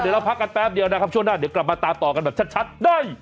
เดี๋ยวเราพักกันแป๊บเดียวนะครับช่วงหน้าเดี๋ยวกลับมาตามต่อกันแบบชัดได้